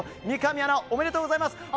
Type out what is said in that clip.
三上アナ、おめでとうございます。